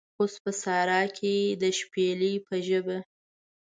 اوس په سارا کې د شپیلۍ په ژبه